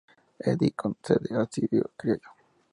Editan un cd, "ácido Criollo".